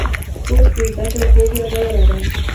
کورس د زده کړو خوږ یادونه ده.